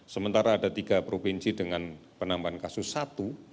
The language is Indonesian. sementara ada tiga provinsi dengan penambahan kasus satu